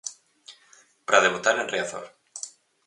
Para debutar en Riazor.